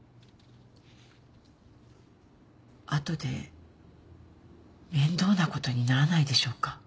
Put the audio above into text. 後で面倒なことにならないでしょうか？